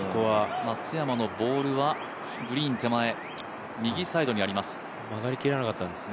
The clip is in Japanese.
松山のボールはグリーン手前、右サイドにあります。